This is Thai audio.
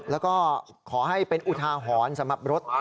แล้วก็ขอให้เป็นอุทาหรณ์สำหรับรถ